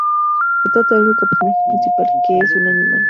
Se trata del único personaje principal que es un animal.